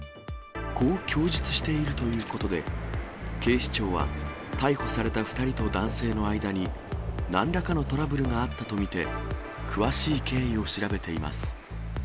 こう供述しているということで、警視庁は、逮捕された２人と男性の間に、なんらかのトラブルがあったと見て、詳しい経緯を調べています。